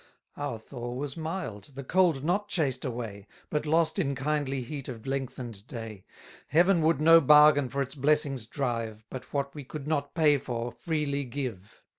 Our thaw was mild, the cold not chased away, But lost in kindly heat of lengthen'd day. Heaven would no bargain for its blessings drive, But what we could not pay for, freely give.